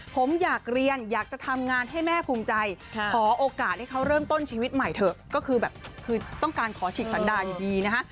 ผมอยากเรียนอยากจะทำงานให้แม่ภูมิใจขอโอกาสให้เขาเริ่มต้นชีวิตใหม่เถอะก็คือแบบคือต้องการขอฉีกสันดาอยู่ดีนะฮะ